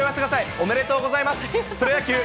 おめでとうございます。